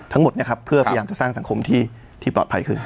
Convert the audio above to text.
ทั้งหมดนะครับเพื่อพยายามจะสร้างสังคมที่ปลอดภัยขึ้น